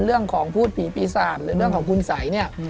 เรื่องของพูดผีปีศาสตร์เรื่องของคุณสัย